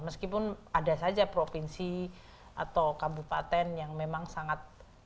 meskipun ada saja provinsi atau kabupaten yang memang sangat